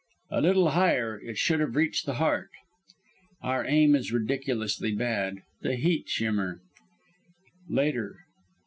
A little higher, it would have reached the heart. Our aim is ridiculously bad the heat shimmer "Later.